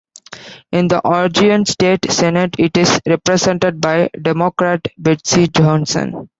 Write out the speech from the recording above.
In the Oregon State Senate it is represented by Democrat Betsy Johnson.